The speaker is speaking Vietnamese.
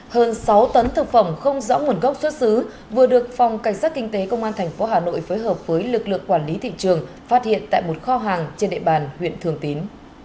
hơn sáu tấn thực phẩm không rõ nguồn gốc xuất xứ vừa được phòng cảnh sát kinh tế công an tp hà nội phối hợp với lực lượng quản lý thị trường phát hiện tại một kho hàng trên địa bàn huyện thường tín